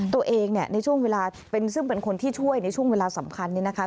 ตัวเองเนี่ยในช่วงเวลาซึ่งเป็นคนที่ช่วยในช่วงเวลาสำคัญเนี่ยนะคะ